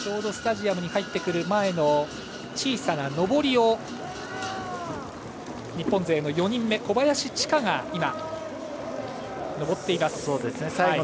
スタジアムに入ってくる前の小さな上りを日本勢の４人目小林千佳が上っています。